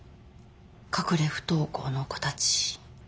隠れ不登校の子たち。